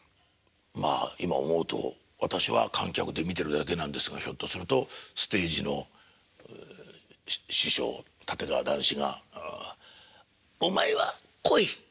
まあ今思うと私は観客で見てるだけなんですがひょっとするとステージの師匠立川談志が「お前は来い」って言われたような気がするなと